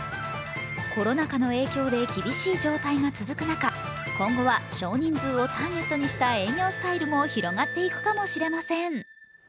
コロナ禍の影響で厳しい状態が続く中、今後は少人数をターゲットにした営業スタイルも広がっていくかもしれません。